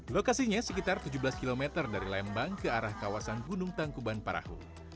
lokasinya sekitar tujuh belas km dari lembang ke arah kawasan gunung tangkuban parahu